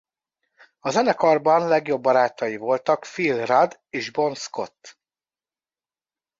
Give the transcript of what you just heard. A zenekarban legjobb barátai voltak Phil Rudd és Bon Scott.